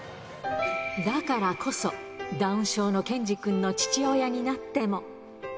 だからこそ、ダウン症のケンジくんの父親になっても。